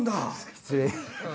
失礼。